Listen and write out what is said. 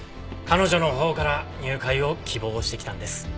彼女のほうから入会を希望してきたんです。